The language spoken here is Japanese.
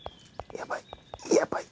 やばいやばい。